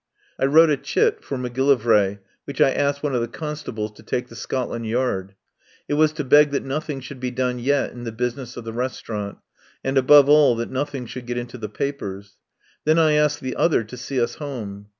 I wrote a chit for Macgillivray which I asked one of the constables to take to Scot land Yard. It was to beg that nothing should be done yet in the business of the restaurant, and above all that nothing should get into the papers. Then I asked the other to see us home.